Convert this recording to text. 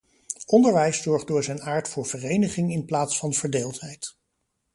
Onderwijs zorgt door zijn aard voor vereniging in plaats van verdeeldheid.